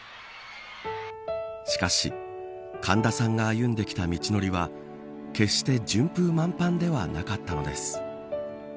しかし、神田さんが歩んできた道のりは決して順風満帆ではなかったのです。